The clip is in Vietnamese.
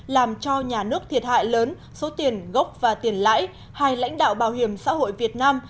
làm cho nhà nước thiệt hại lớn số tiền gốc và tiền lãi hai lãnh đạo bảo hiểm xã hội việt nam